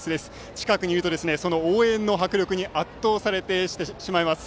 近くにいるとその応援の迫力に圧倒されてしまいます。